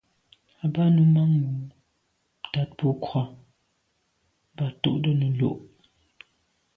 A be num manwù mars bo avril mban to’ nelo.